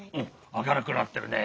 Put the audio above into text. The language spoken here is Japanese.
あかるくなってるね。